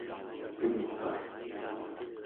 kenka